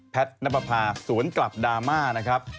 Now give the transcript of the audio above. แพทน์นับพาสวนกลับดราม่านะครับ